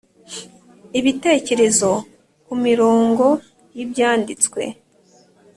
ibitekerezo ku mirongo y’Ibyanditswe